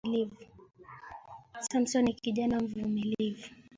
Samson ni kijana mvumilivu